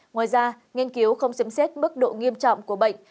ngoài ra nghiên cứu không xem xét mức độ nghiêm trọng của bệnh